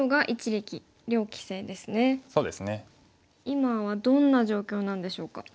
今はどんな状況なんでしょうか。